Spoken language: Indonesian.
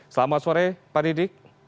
selamat sore pak didik